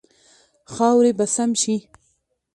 خاورې به سم شي.